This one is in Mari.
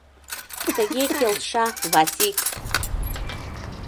Тыге келша, Васик!